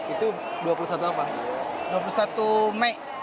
itu dua puluh satu apa